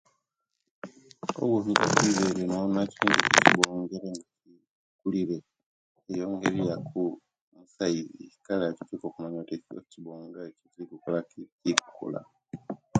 Owotuka kwibere nobonaku ekibongere nga kikulire kiyongeriaku esaizi kale omanyanti ekibonge ekyo kikukolaki kikukula